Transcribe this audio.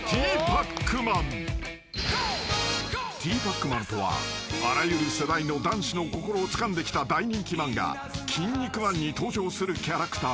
［ティーパックマンとはあらゆる世代の男子の心をつかんできた大人気漫画『キン肉マン』に登場するキャラクター］